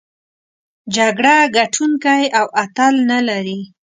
جګړه ګټوونکی او اتل نلري.